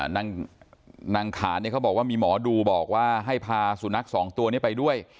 นางขานเนี่ยเขาบอกว่ามีหมอดูบอกว่าให้พาสุนัขสองตัวนี้ไปด้วย